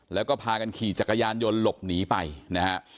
แล้วก็พากันขี่จักรยานยนต์หลบหนีไปนะฮะ